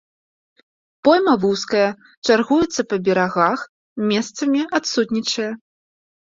Пойма вузкая, чаргуецца па берагах, месцамі адсутнічае.